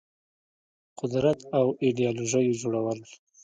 قدرت او ایدیالوژيو جوړول